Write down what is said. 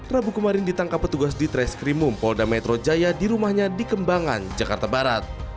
rabu kemarin ditangkap petugas di treskrimum polda metro jaya di rumahnya di kembangan jakarta barat